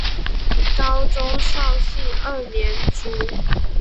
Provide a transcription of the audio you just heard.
高宗绍兴二年卒。